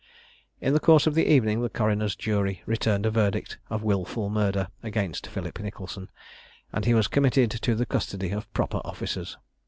In the course of the evening, the coroner's jury returned a verdict of "Wilful Murder against Philip Nicholson," and he was committed to the custody of proper officers.